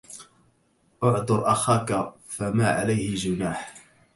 اعذر أخاك فما عليه جناح